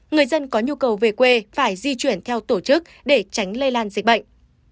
người dân có nhu cầu về quê phải di chuyển theo tổ chức để tránh lây lan dịch bệnh